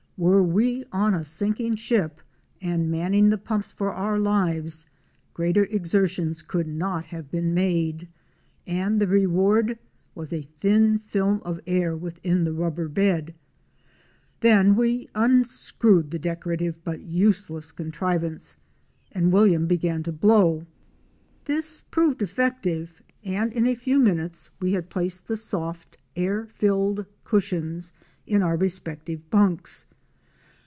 Were we on a sinking ship and manning the pumps for our lives, greater exertions could not have been made, and the reward was a thin film of air within the rubber bed. Then we un screwed the decorative but useless contrivance, and W—— began to blow. This proved effective, and in a few minutes we had placed the soft, air filled cushions in our respective bunks.